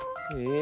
え